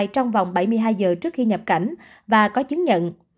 trong vòng bảy mươi hai giờ trước khi nhập cảnh và có chứng nhận